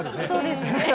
そうですね。